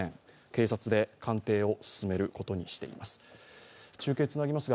警察で鑑定を進めることにしています。